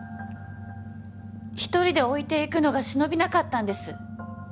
一人で置いていくのが忍びなかったんです。